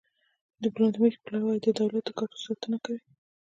ډیپلوماتیک پلاوی د دولت د ګټو ساتنه کوي